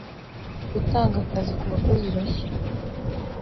gutanga akazi ku bakozi bashya